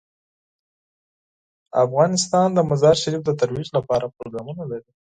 افغانستان د مزارشریف د ترویج لپاره پروګرامونه لري.